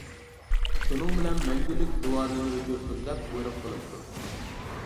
شۇنىڭ بىلەن مەڭگۈلۈك زۇۋانىنى ئۆچۈرسۇن دەپ بۇيرۇق قىلىپتۇ.